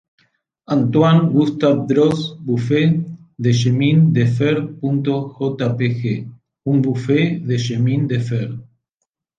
Antoine Gustave Droz Buffet de chemin de fer.jpg|"Un buffet de chemin de fer".